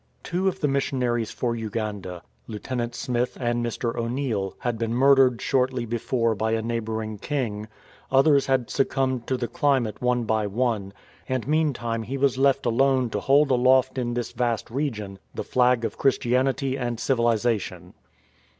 Two of the missionaries for Uganda, Lieutenant Smith and Mr. O'Neill, had been murdered shortly before by a neighbour ing king ; others had succumbed to the climate one by one ; and meantime he was left alone to hold aloft in this vast region the flag of Christianity and civilization.